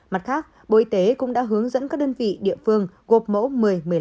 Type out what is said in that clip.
mặt khác bộ y tế cũng đã hướng dẫn các đơn vị địa phương gộp mẫu một mươi một mươi năm